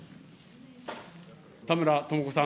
田村智子さん。